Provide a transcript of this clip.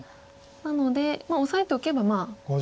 なのでオサえておけばまあ。